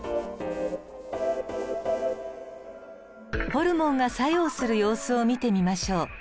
ホルモンが作用する様子を見てみましょう。